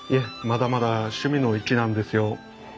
まだまだ趣味の域なんですよ。